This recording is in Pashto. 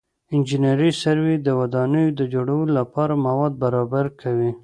انجنیري سروې د ودانیو د جوړولو لپاره مواد برابر کوي